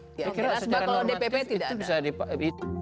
karena kalau dpp tidak ada